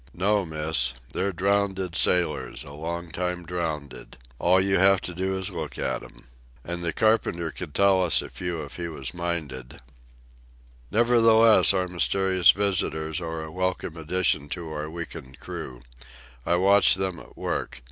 "No, Miss. They're drownded sailors a long time drownded. All you have to do is look at 'm. An' the carpenter could tell us a few if he was minded." Nevertheless, our mysterious visitors are a welcome addition to our weakened crew. I watch them at work.